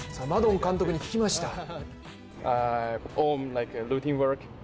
マドン監督に聞きました。